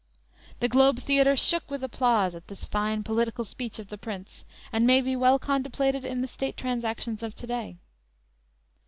"_ The Globe Theatre shook with applause at this fine political speech of the Prince, and may be well contemplated in the State transactions of to day.